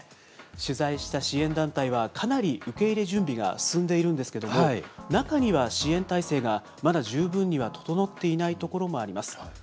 取材した支援団体はかなり受け入れ準備が進んでいるんですけれども、中には支援態勢がまだ十分には整っていない所もあります。